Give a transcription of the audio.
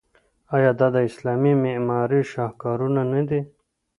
آیا دا د اسلامي معمارۍ شاهکارونه نه دي؟